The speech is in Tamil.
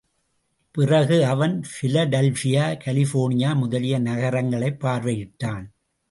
பிறகு அவன் பிலடல்பியா, கலிபோர்னியா முதலிய நகரங்களைப் பார்வையிட்டான்.